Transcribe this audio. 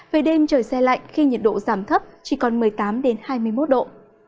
về đêm trời xe lạnh khi nhiệt độ giảm thấp chỉ còn một mươi tám hai mươi một độ